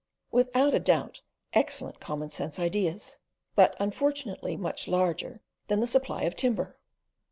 Without a doubt excellent common sense ideas; but, unfortunately, much larger than the supply of timber.